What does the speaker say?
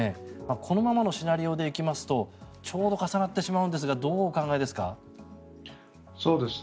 このままのシナリオで行きますとちょうど重なってしまうんですがどうお考えですか？